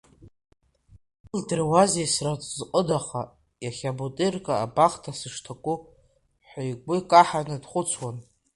Илдыруазеи сразҟыдаха иахьа Бутирка абахҭа сышҭаку, ҳәа игәы каҳаны дхәыцуан.